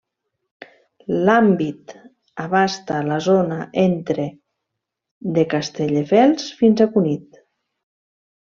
L’àmbit abasta la zona entre de Castelldefels fins a Cunit.